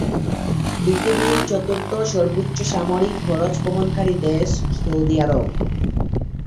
পৃথিবীর চতুর্থ সর্বোচ্চ সামরিক খরচ বহনকারী দেশ সৌদি আরব।